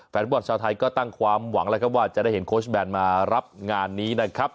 แฟนฟุตบอลชาวไทยก็ตั้งความหวังแล้วครับว่าจะได้เห็นโค้ชแบนมารับงานนี้นะครับ